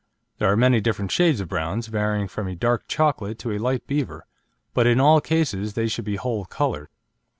There are many different shades of browns, varying from a dark chocolate to a light beaver, but in all cases they should be whole coloured.